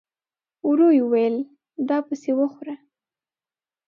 ورو يې وويل: دا پسې وخوره!